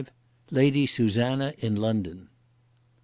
LADY SUSANNA IN LONDON.